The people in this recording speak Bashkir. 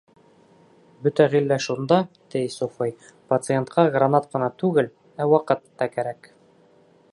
— Бөтә ғиллә шунда, — ти суфый, — пациентҡа гранат ҡына түгел, ә ваҡыт та кәрәк.